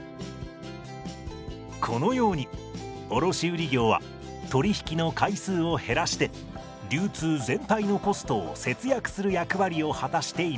このように卸売業は取り引きの回数を減らして流通全体のコストを節約する役割を果たしています。